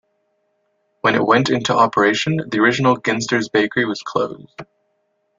When it went into operation the original Ginsters bakery was closed.